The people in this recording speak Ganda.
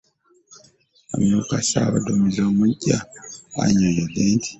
Amyuka ssaabaduumizi omuggya annyonnyodde nti obumu n'okukolera awamu bye bijja okuyamba ekitongole